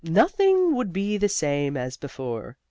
Nothing would be the same as before.